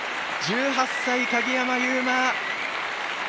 １８歳、鍵山優真。